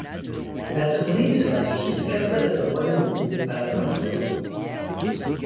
La tournée sera suivie de quatre dates au Royaume-Uni à la fin Octobre.